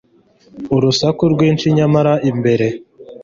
Urusaku rwinshi nyamara imbere